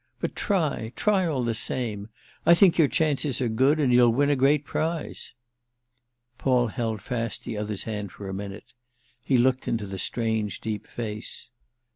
But try, try, all the same. I think your chances are good and you'll win a great prize." Paul held fast the other's hand a minute; he looked into the strange deep face.